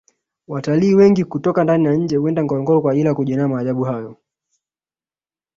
watalii wengi kutoka ndani na nje huenda ngorongoro kwa ajili ya kujionea maajabu hayo